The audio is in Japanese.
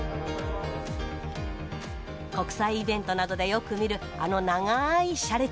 国際イベントなどでよく見るあの長い車列。